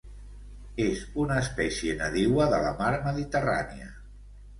És una espècie nadiua de la mar Mediterrània.